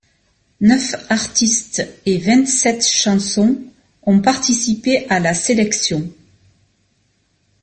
Neuf artistes et vingt-sept chansons ont participé à la sélection.